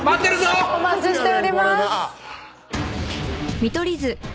お待ちしております。